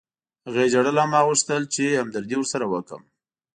هغې ژړل او ما غوښتل چې همدردي ورسره وکړم